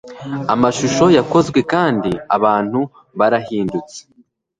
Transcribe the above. Amashusho yakozwe kandi abantu barahindutse